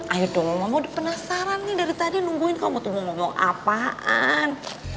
ayo dong mama udah penasaran nih dari tadi nungguin kamu tuh mau ngomong apaan